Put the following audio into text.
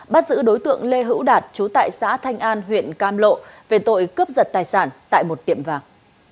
bắt giữ đối tượng lê hữu đạt chú tại xã thanh an huyện cam lộ về tội cướp giật tài sản tại một tiệm vàng